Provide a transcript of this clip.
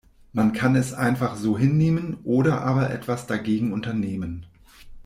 Man kann es einfach so hinnehmen oder aber etwas dagegen unternehmen.